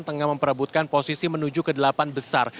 tengah memperebutkan posisi menuju ke delapan besar